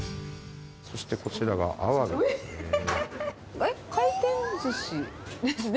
そしてこちらがアワビですね。